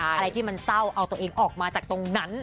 อะไรที่มันเศร้าเอาตัวเองออกมาจากตรงนั้น